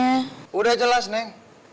sudah jelas neng